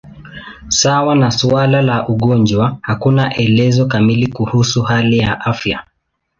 Sawa na suala la ugonjwa, hakuna elezo kamili kuhusu hali ya afya.